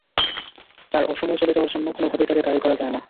তাঁর অসময়ে চলে যাওয়ার জন্য কোনোভাবেই তাঁকে দায়ী করা যায় না।